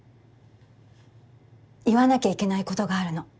言わなきゃいけないことがあるの。